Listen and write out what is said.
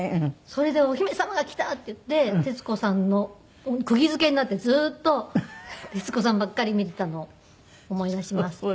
それで「お姫様が来た！」って言って徹子さんの釘付けになってずっと徹子さんばっかり見ていたのを思い出します。